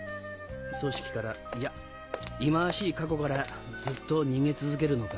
組織からいや忌まわしい過去からずっと逃げ続けるのか？